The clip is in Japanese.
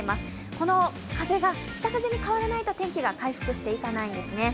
この風が北風に変わらないと天気が回復していかないんですね。